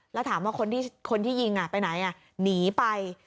แล้วถามว่าคนที่ยิงไปไหนหนีไป